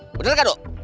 bener nggak do